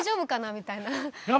みたいな。